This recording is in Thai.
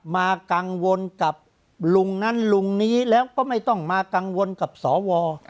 มากังวลกับลุงนั้นลุงนี้แล้วก็ไม่ต้องมากังวลกับสว